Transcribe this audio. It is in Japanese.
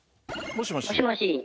もしもし。